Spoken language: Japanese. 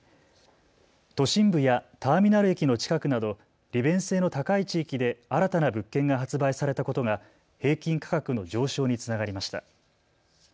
都心部やターミナル駅の近くなど利便性の高い地域で新たな物件が発売されたことが平均価格の上昇につながりました。